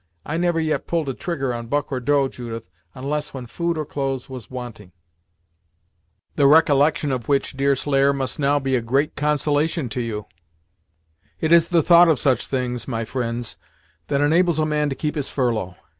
I never yet pulled a trigger on buck or doe, Judith, unless when food or clothes was wanting." "The recollection of which, Deerslayer, must now be a great consolation to you." "It is the thought of such things, my fri'nds, that enables a man to keep his furlough.